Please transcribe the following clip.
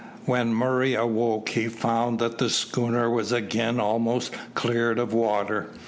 When Murray awoke he found that the schooner was again almost cleared of water.